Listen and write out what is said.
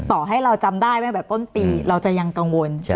ต่อให้เราจำได้แบบต้นปีเราจะยังกังวลใช่